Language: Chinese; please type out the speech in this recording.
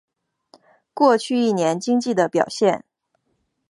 过去一年经济的表现